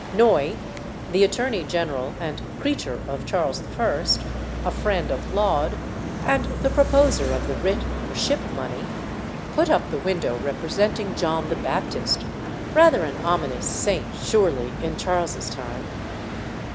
Noy, the Attorney General and creature of Charles I., a friend of Laud, and the proposer of the writ for ship money, put up the window representing John the Baptist, rather an ominous saint, surely, in Charles's time.